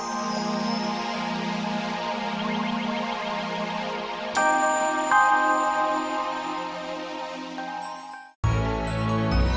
terima kasih pak